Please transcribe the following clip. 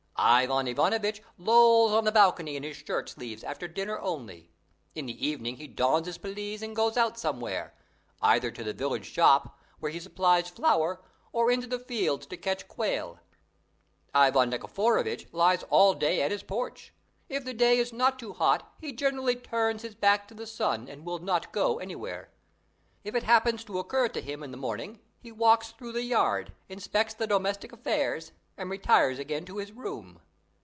Ivan Ivanovitch lolls on the balcony in his shirt sleeves after dinner only: in the evening he dons his pelisse and goes out somewhere, either to the village shop, where he supplies flour, or into the fields to catch quail. Ivan Nikiforovitch lies all day at his porch: if the day is not too hot he generally turns his back to the sun and will not go anywhere. If it happens to occur to him in the morning he walks through the yard, inspects the domestic affairs, and retires again to his room.